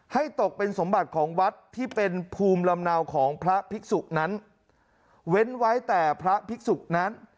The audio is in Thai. ตกเป็นสมบัติของวัดที่เป็นภูมิลำเนาของพระภิกษุนั้นเว้นไว้แต่พระภิกษุนั้น